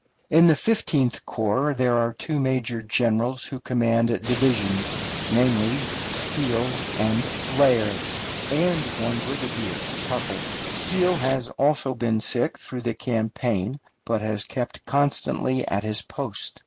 In the Fifteenth Corps there are two major generals who command divisions namely, Steele and Blair and one brigadier, Tuttle. Steele has also been sick through the campaign, but has kept constantly at his post.